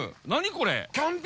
これ。